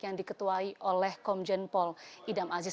yang diketuai oleh komjen pol idam aziz